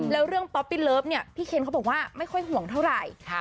แล้วเรื่องป๊อปปี้เลิฟเนี่ยพี่เคนเขาบอกว่าไม่ค่อยห่วงเท่าไหร่